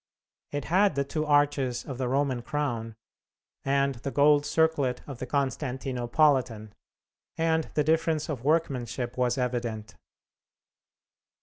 It had the two arches of the Roman crown, and the gold circlet of the Constantinopolitan; and the difference of workmanship was evident.